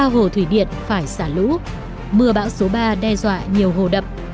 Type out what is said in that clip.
ba hồ thủy điện phải xả lũ mưa bão số ba đe dọa nhiều hồ đập